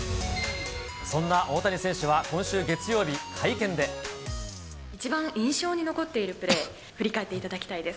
そんな大谷選手は今週月曜日、一番印象に残っているプレー、振り返っていただきたいです。